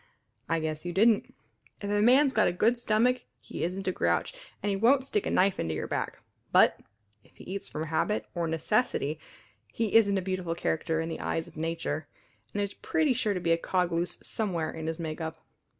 I guess you didn't. If a man's got a good stomach he isn't a grouch, and he won't stick a knife into your back; but if he eats from habit or necessity he isn't a beautiful character in the eyes of nature, and there's pretty sure to be a cog loose somewhere in his makeup.